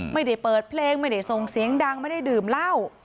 ไม่ได้เปิดเพลงไม่ได้ส่งเสียงดังไม่ได้ดื่มเหล้า